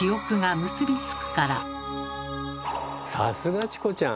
さすがチコちゃん！